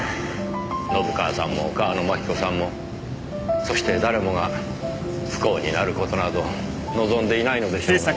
信川さんも川野真紀子さんもそして誰もが不幸になる事など望んでいないのでしょうがね。